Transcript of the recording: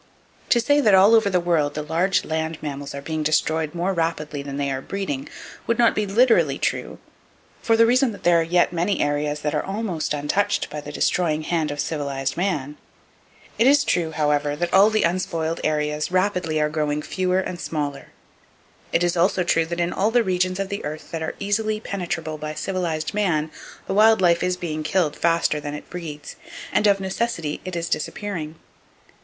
To say that all over the world, the large land mammals are being destroyed more rapidly than they are breeding, would not be literally true, for the reason that there are yet many areas that are almost untouched by the destroying hand of civilized man. It is true, however, that all the unspoiled areas rapidly are growing fewer and smaller. It is also true that in all the regions of the earth that are easily penetrable by civilized man, the wild life is being killed faster than it breeds, and of necessity it is disappearing.